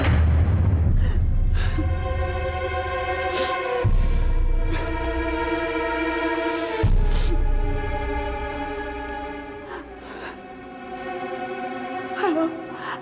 kalau tidak kamu harus ke rumah sakit